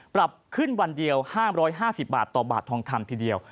ปรับขึ้นวันเดียว๕๕๐บาทต่อบาททองคำทีเดียว